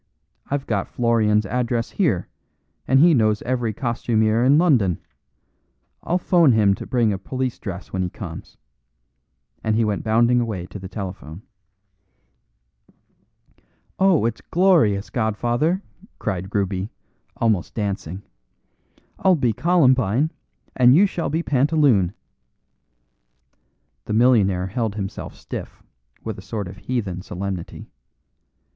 "I've got Florian's address here, and he knows every costumier in London. I'll phone him to bring a police dress when he comes." And he went bounding away to the telephone. "Oh, it's glorious, godfather," cried Ruby, almost dancing. "I'll be columbine and you shall be pantaloon." The millionaire held himself stiff with a sort of heathen solemnity.